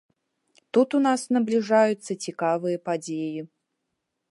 Тут у нас набліжаюцца цікавыя падзеі.